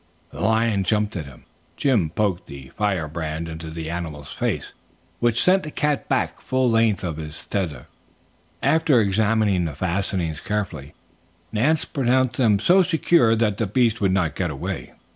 The lion jumped at him. Jim poked the firebrand into the animal's face, which sent the cat back the full length of his tether. After examining the fastenings carefully, Nance pronounced them so secure that the beast would not get away.